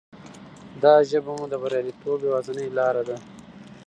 دا ژبه مو د بریالیتوب یوازینۍ لاره ده.